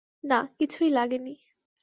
না, কিছুই লাগেনি।